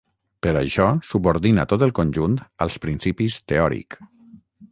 Per això subordina tot el conjunt als principis teòric.